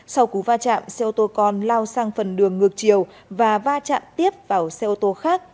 sau cú va chạm xe ô tô con lao sang phần đường ngược chiều và va chạm tiếp vào xe ô tô khác